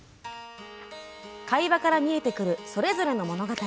会話から見えてくるそれぞれの物語。